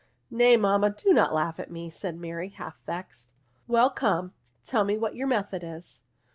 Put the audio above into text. " Nay, mamma, do not laugh at me," said Mary, half vexed. " Well, come, tell me what your method is